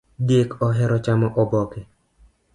Diek ohero chamo oboke